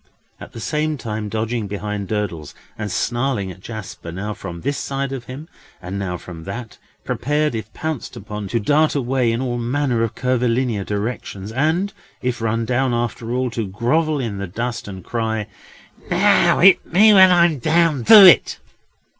At the same time dodging behind Durdles, and snarling at Jasper, now from this side of him, and now from that: prepared, if pounced upon, to dart away in all manner of curvilinear directions, and, if run down after all, to grovel in the dust, and cry: "Now, hit me when I'm down! Do it!"